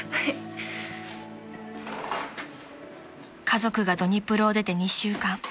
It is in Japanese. ［家族がドニプロを出て２週間］